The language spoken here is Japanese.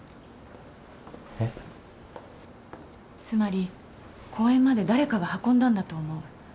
つまり公園まで誰かが運んだんだと思う。